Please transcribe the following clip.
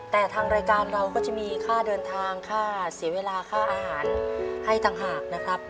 แต่ทางรายการเราก็จะมีค่าเดินทางค่าเสียเวลาค่าอาหารให้ต่างหากนะครับ